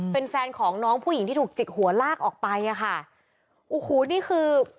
เป็นแฟนของน้องผู้หญิงที่ถูกจิกหัวลากออกไปอ่ะค่ะโอ้โหนี่คือ